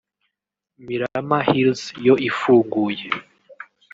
Mirama Hills yo ifunguye